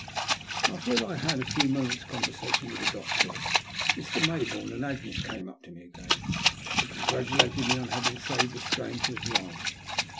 After I had had a few moments' conversation with the doctor, Mr. Maybourne and Agnes came up to me again, and congratulated me on having saved the stranger's life.